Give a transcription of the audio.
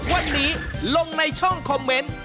วันนี้ลงในช่องคอมเมนต์